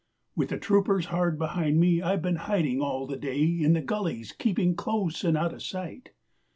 With the troopers hard behind me I've been hiding all the day In the gullies keeping close and out of sight.